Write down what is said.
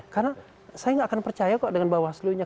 karena saya tidak akan percaya kok dengan bawaslunya